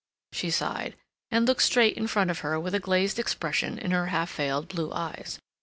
She sighed, and looked straight in front of her with a glazed expression in her half veiled blue eyes.